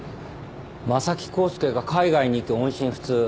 正木浩介が海外に行き音信不通。